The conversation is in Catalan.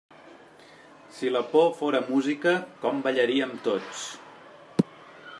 Si la por fóra música, com ballaríem tots.